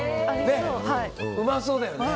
うまそうだよね。